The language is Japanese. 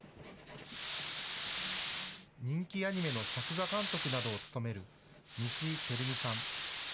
人気アニメの作画監督などを務める西位輝美さん。